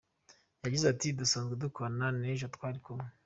Yagize ati “Dusanzwe dukorana n’ejo twari kumwe.